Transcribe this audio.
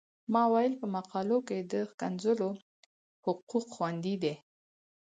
ما ویل په مقالو کې د ښکنځلو حقوق خوندي دي.